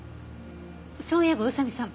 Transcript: そういえば宇佐見さん